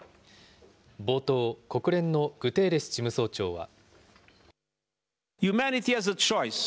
冒頭、国連のグテーレス事務総長は。